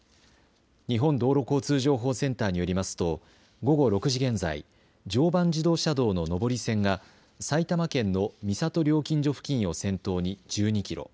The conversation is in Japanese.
日本道路交通情報センターによりますと午後６時現在常磐自動車道の上り線が埼玉県の三郷料金所付近を先頭に１２キロ。